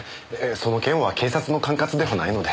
その件は警察の管轄ではないので。